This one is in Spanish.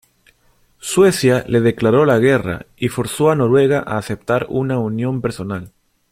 Suecia le declaró la guerra y forzó a Noruega a aceptar una unión personal.